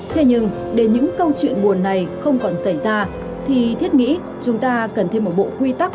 thế nhưng để những câu chuyện buồn này không còn xảy ra thì thiết nghĩ chúng ta cần thêm một bộ quy tắc